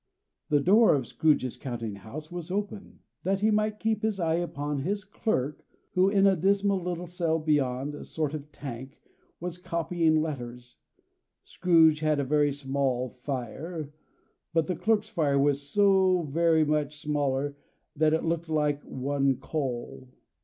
The door of Scrooge's counting house was open, that he might keep his eye upon his clerk, who in a dismal little cell beyond, a sort of tank, was copying letters. Scrooge had a very small fire, but the clerk's fire was so very much smaller that it looked like one coal.